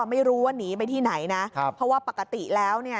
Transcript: ไม่รู้ว่าหนีไปที่ไหนนะครับเพราะว่าปกติแล้วเนี่ย